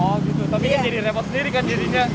oh gitu tapi kan jadi repot sendiri kan dirinya